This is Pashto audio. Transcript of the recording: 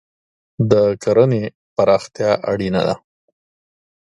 د کرهنې پراختیا اړینه ده.